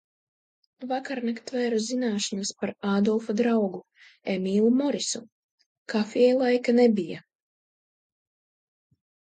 Vakarnakt tvēru zināšanas par Ādolfa draugu Emīlu Morisu. Kafijai laika nebija.